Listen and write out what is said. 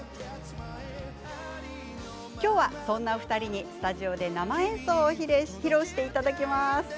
今日は、そんなお二人にスタジオで生演奏を披露していただきます。